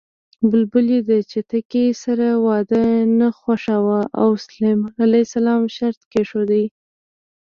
بلبلې د چتکي سره واده نه خوښاوه او سلیمان ع شرط کېښود